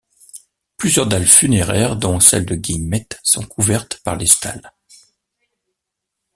Plusieurs dalles funéraires dont celle de Guillemette sont couvertes par les stalles.